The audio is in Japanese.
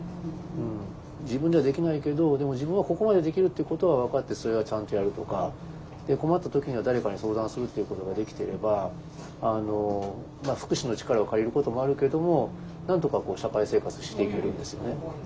自分ではできないけどでも自分はここまでできるっていうことは分かってそれはちゃんとやるとか困った時には誰かに相談するっていうことができてれば福祉の力を借りることもあるけどもなんとか社会生活していけるんですよね。